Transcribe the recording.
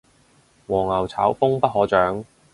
黃牛炒風不可長